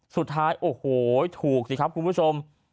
สุดท้ายโอ้โหถูกสิครับคุณผู้ชม